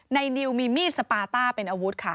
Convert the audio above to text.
นิวมีมีดสปาต้าเป็นอาวุธค่ะ